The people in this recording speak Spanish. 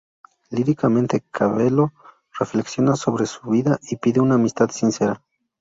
Líricamente, Cabello reflexiona sobre su vida y pide una amistad sincera.